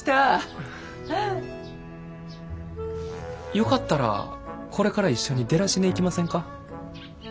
よかったらこれから一緒にデラシネ行きませんか？